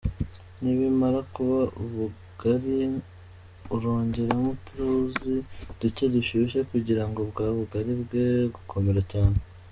Nibimara kuba ubugari, urongeramo utuzi duke dushyushye kugira ngo bwa bugali bwe gukomera cyane .